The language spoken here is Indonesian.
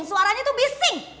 suaranya tuh bising